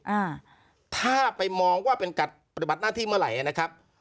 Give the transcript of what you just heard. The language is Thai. อ่าถ้าไปมองว่าเป็นการปฏิบัติหน้าที่เมื่อไหร่นะครับ